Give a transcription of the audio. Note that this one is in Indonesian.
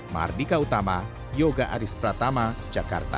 mardika utama yoga aris pratama jakarta